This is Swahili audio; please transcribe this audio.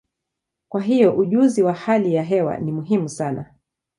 Kwa hiyo, ujuzi wa hali ya hewa ni muhimu sana.